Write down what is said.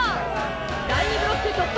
第２ブロック突破！